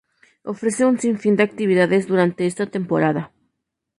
Ofrece un sin fin de actividades durante esta temporada.